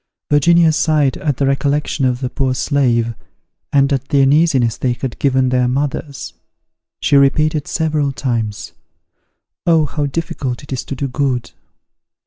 Virginia sighed at the recollection of the poor slave, and at the uneasiness they had given their mothers. She repeated several times "Oh, how difficult it is to do good!"